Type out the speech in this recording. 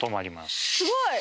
すごい！